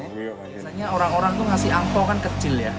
biasanya orang orang itu ngasih angpao kan kecil ya